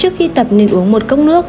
trước khi tập nên uống một cốc nước